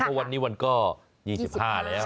เพราะวันนี้วันก็๒๕แล้ว